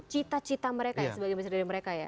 cita cita mereka ya sebagai mesra dari mereka ya